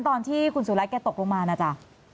ตอนที่คุณสุรัตนแกตกลงมานะจ๊ะ